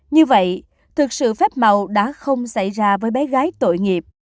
như vậy thực sự phép màu đã không xảy ra với bé gái tội nghiệp